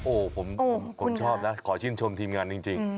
โอ้โหผมคนชอบนะขอชื่นชมทีมงานจริง